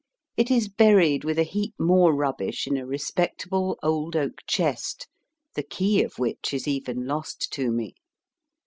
It is buried with a heap more rubbish in a respectable old oak chest, the key of which is even lost to me.